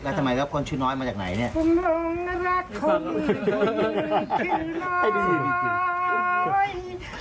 แล้วทำไมรับคนชื่อน้อยมาจากไหนเนี่ย